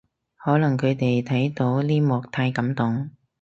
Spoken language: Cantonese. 可能佢哋睇到呢幕太感動